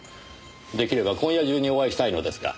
出来れば今夜中にお会いしたいのですが。